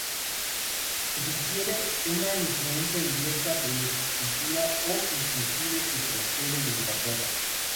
Se sugiere una influencia inglesa de la escultura, o inclusive que procede de Inglaterra.